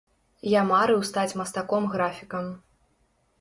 Я марыў стаць мастаком-графікам.